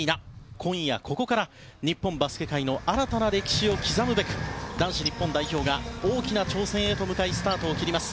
今夜、ここから日本バスケ界の新たな歴史を刻むべく男子日本代表が大きな挑戦へと向かいスタートを切ります。